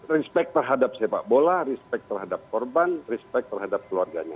respect terhadap sepak bola respect terhadap korban respect terhadap keluarganya